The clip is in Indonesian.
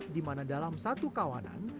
dimana dalam satu kawanan